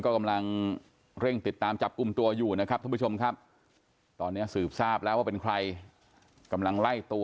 ก็ไม่รู้เหมือนกัน